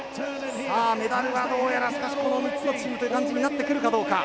メダルはどうやら、しかしこの３つのチームという感じになってくるかどうか。